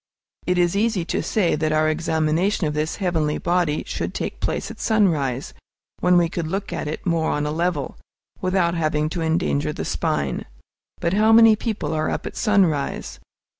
It is easy to say that our examination of this heavenly body should take place at sunrise, when we could look at it more on a level, without having to endanger the spine. But how many people are up at sunrise?